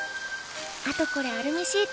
あとこれアルミシート。